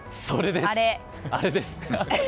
それです、あれです。